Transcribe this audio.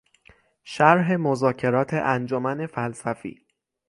شرح مذاکرات انجمن فلسفی